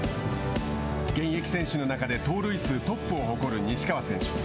現役選手の中で盗塁数トップを誇る西川選手。